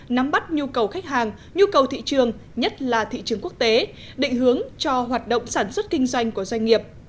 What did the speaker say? nắm bắt nhu cầu khách hàng nhu cầu thị trường nhất là thị trường quốc tế định hướng cho hoạt động sản xuất kinh doanh của doanh nghiệp